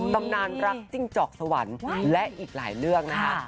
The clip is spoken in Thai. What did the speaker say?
ตำนานรักจิ้งจอกสวรรค์และอีกหลายเรื่องนะคะ